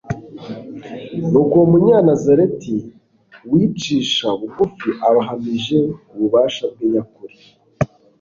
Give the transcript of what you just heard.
Nuko uwo Munyanazareti wicisha bugufi aba ahamije ububasha bwe nyakuri.